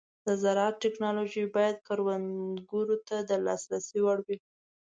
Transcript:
د زراعت ټيکنالوژي باید کروندګرو ته د لاسرسي وړ وي.